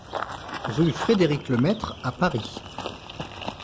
Rue Frédérick Lemaître à Paris